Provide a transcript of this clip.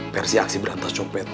versi aksi berantas copet